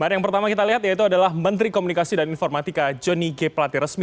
yang pertama kita lihat yaitu adalah menteri komunikasi dan informatika johnny g plate resmi